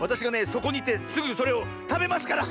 そこにいてすぐそれをたべますから！